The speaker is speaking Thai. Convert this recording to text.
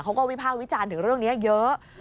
วิภาควิจารณ์ถึงเรื่องนี้เยอะ